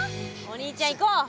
お兄ちゃん行こう。